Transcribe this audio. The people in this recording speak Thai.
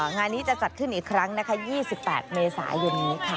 งานนี้จะจัดขึ้นอีกครั้งนะคะ๒๘เมษายนนี้ค่ะ